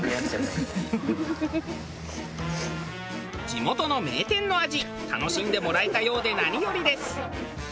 地元の名店の味楽しんでもらえたようで何よりです。